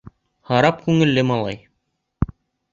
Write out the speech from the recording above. Харап күңелле, малай.